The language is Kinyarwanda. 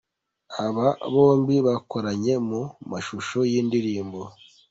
Aba bombi bakoranye mu mashusho y’indirimbo.